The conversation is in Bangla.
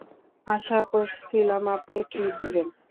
আশা করেছিলাম আপনি ট্রিট দিবেন।